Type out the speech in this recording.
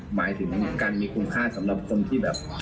หมายถึงการมีคุณค่าสำหรับคนที่แบบ